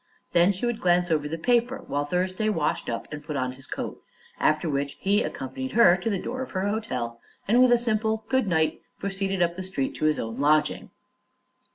Then he would glance over the paper while Thursday washed up and put on his coat, after which he accompanied her to the door of her hotel and with a simple "good night" proceeded up the street to his own lodging.